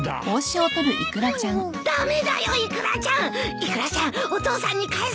イクラちゃんお父さんに返さないと。